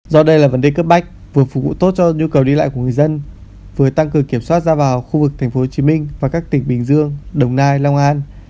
do đây là vấn đề cấp bách vừa phục vụ tốt cho nhu cầu đi lại của người dân vừa tăng cường kiểm soát ra vào khu vực tp hcm và các tỉnh bình dương đồng nai long an